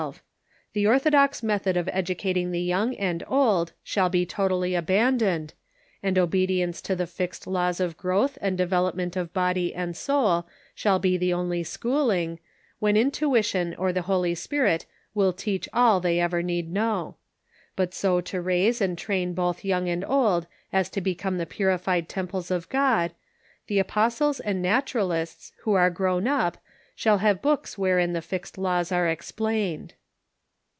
The orthodox method of educating the young and old shall be totally abandoned, and obedience to the fixed laws of growth and development of body and soul shall be the only schooling, when intuition or the Holy Spirit will teach all they ever need know ; but to so raise and train both young and old as to become the purified temples of God, the apostles and Naturalists who are grown up shall have books wherein the fixed laws are ex plained.